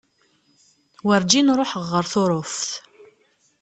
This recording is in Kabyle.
Weǧin ruḥeɣ ɣer Tuṛuft.